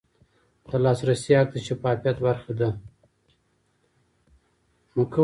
د لاسرسي حق د شفافیت برخه ده.